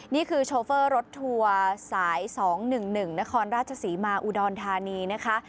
โชเฟอร์รถทัวร์สาย๒๑๑นครราชศรีมาอุดรธานีนะคะ